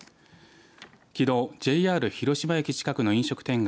きのうＪＲ広島駅近くの飲食店街